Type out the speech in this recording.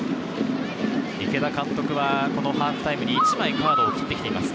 池田監督はハーフタイムに１枚カードを切っています。